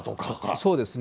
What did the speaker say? そうですね。